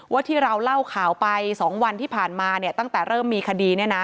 ว่าที่เราเล่าข่าวไป๒วันที่ผ่านมาตั้งแต่เริ่มมีคดี